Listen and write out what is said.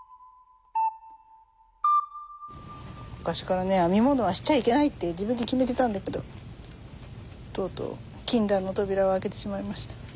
昔からね編み物はしちゃいけないって自分で決めてたんだけどとうとう禁断の扉を開けてしまいました。